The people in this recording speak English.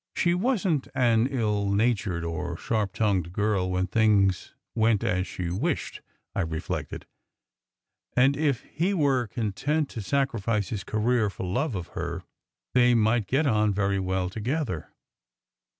She wasn t an ill natured or sharp tongued girl when things went as she wished, I reflected, and if he were content to sacrifice his career for love of her, they might get on very well together.